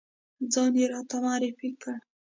ځان یې راته معرفی کړ.